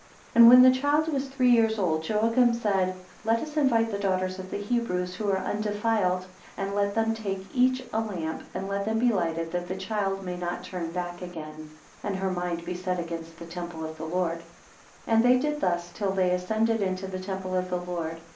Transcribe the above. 3 And when the child was three years old, Joachim said, Let us invite the daughters of the Hebrews, who are undefiled, and let them take each a lamp, and let them be lighted, that the child may not turn back again, and her mind be set against the temple of the Lord, 4 And they did thus till they ascended into the temple of the Lord.